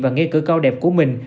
và nghe cử cao đẹp của mình